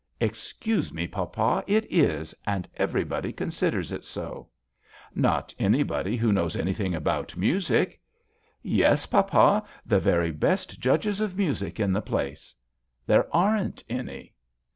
" Excuse me, papa, it is, and everybody considers it so." "Not anybody who knows any thing about music." / 70 TH£ VIOLIN OBBLIGATO. " Yes, papa, the very best judges of music in the place/' " There aren't any."